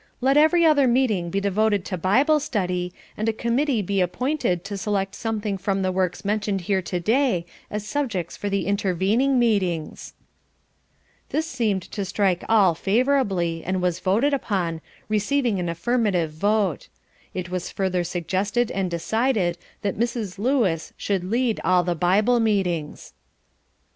"Let every other meeting be devoted to Bible study, and a committee be appointed to select something from the works mentioned here to day as subjects for the intervening meetings." This seemed to strike all favourably, and was voted upon, receiving an affirmative vote. It was further suggested and decided that Mrs. Lewis should lead all the Bible meetings.